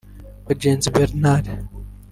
Bagenzi Bernard